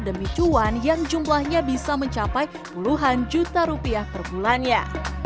demi cuan yang jumlahnya bisa mencapai puluhan juta rupiah per bulannya